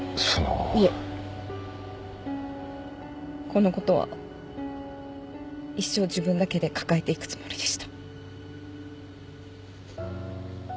このことは一生自分だけで抱えていくつもりでした。